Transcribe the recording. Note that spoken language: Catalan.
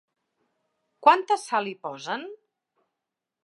Quanta sal hi posen?